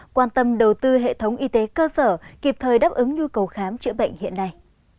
quan tâm đầu tư hệ thống y tế cơ sở kịp thời đáp ứng nhu cầu khám chữa bệnh hiện nay